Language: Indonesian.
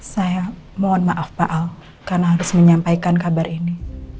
saya mohon maaf pak al karena harus menyampaikan kabar ini